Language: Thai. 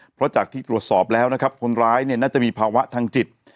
เพราะจากที่ตรวจสอบแล้วนะครับคนร้ายเนี่ยน่าจะมีภาวะทางจิต